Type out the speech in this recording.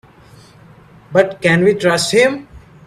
But can we trust him?